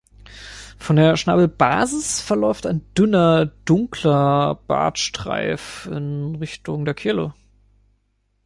Von der Schnabelbasis verläuft ein dünner, dunkler Bartstreif in Richtung der Kehle.